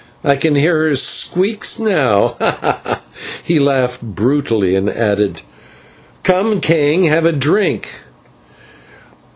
I can hear her squeaks now" and he laughed brutally, and added, "Come, king, have a drink."